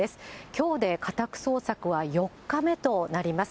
きょうで家宅捜索は４日目となります。